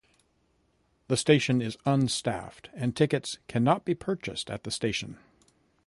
The station is unstaffed and tickets cannot be purchased at the station.